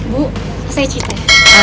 bu saya citra